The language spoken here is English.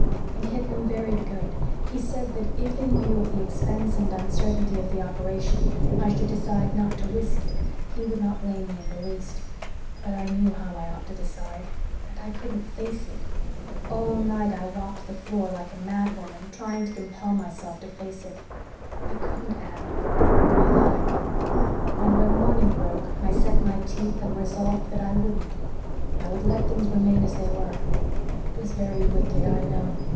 And he had been very good he said that if, in view of the expense and uncertainty of the operation, I should decide not to risk it, he would not blame me in the least. But I knew how I ought to decide and I couldn't face it. All night I walked the floor like a mad woman, trying to compel myself to face it. I couldn't, Anne I thought I couldn't and when morning broke I set my teeth and resolved that I WOULDN'T. I would let things remain as they were. It was very wicked, I know.